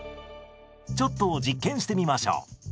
ちょっと実験してみましょう。